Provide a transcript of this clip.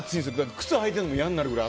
靴履いてるの嫌になるくらい。